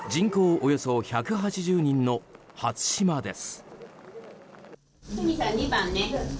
およそ１８０人の初島です。